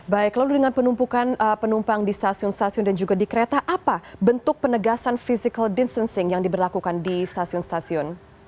baik lalu dengan penumpukan penumpang di stasiun stasiun dan juga di kereta apa bentuk penegasan physical distancing yang diberlakukan di stasiun stasiun